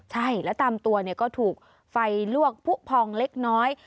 ใช่แล้วตามตัวก็ถูกไฟลวกผู้พองเล็กน้อย